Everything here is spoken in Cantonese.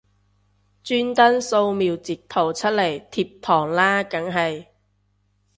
專登掃瞄截圖出嚟貼堂啦梗係